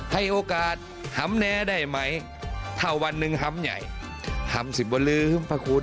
ให้โอกาสห้ำแน่ได้ไหมถ้าวันหนึ่งห้ำใหญ่ห้ำสิบวันลืมพระคุณ